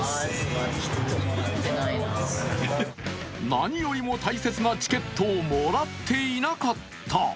何よりも大切なチケットをもらっていなかった。